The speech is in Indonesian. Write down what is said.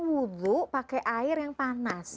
wudhu pakai air yang panas